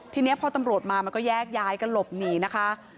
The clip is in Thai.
ทีนี้พอตำรวจมามันก็แยกย้ายกันหลบหนีนะคะ